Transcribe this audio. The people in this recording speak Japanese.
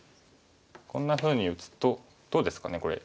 こんなふうに打つとどうですかねこれ。